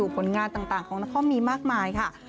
ผลงานต่างของนครมีมากมายค่ะ